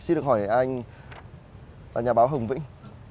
xin được hỏi anh nhà báo hồng vĩnh